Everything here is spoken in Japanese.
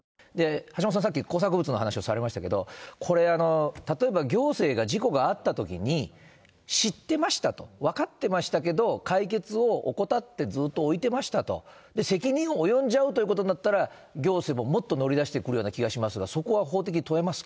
橋下さん、さっき、工作物の話をされましたけど、これ、例えば、行政が事故があったときに、知ってましたと、分かってましたけど、解決を怠って、ずっと置いてましたと、責任に及んじゃうということになったら、行政ももっと乗り出してくるような気がしますが、そこは法的に問えますか？